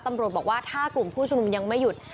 ตำรวจบอกว่าถ้ากลุ่มผู้ชุมนุมยังไม่หยุด